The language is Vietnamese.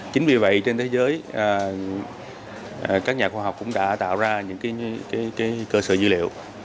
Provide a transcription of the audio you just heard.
chính vì vậy trên thế giới các nhà khoa học cũng đã tạo ra những cơ sở dữ liệu